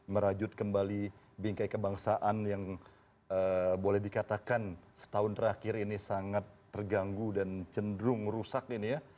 merajut kembali bingkai kebangsaan yang boleh dikatakan setahun terakhir ini sangat terganggu dan cenderung rusak ini ya